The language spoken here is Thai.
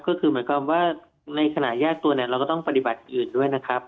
ก็คือหมายความว่าในขณะแยกตัวเนี่ยเราก็ต้องปฏิบัติอื่นด้วยนะครับ